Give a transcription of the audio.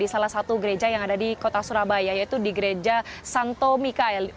di salah satu gereja yang ada di kota surabaya yaitu di gereja santo mikael